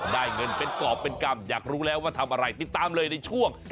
ได้เงินเป็นกรอบเป็นกรรมอยากรู้แล้วว่าทำอะไรติดตามเลยในช่วง